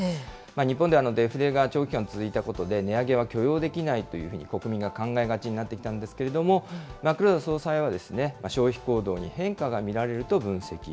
日本ではデフレが長期間続いたことで値上げは許容できないというふうに国民が考えがちになってきたんですけれども、黒田総裁は、消費行動に変化が見られると分析。